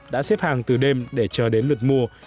đã xếp hàng từ đêm để chờ đến lượt mua